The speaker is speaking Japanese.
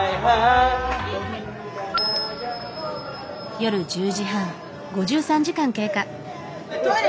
夜１０時半。